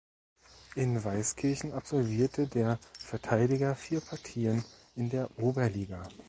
In Weißkirchen absolvierte der Verteidiger vier Partien in der "Oberliga".